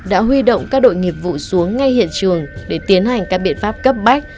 đã huy động các đội nghiệp vụ xuống ngay hiện trường để tiến hành các biện pháp cấp bách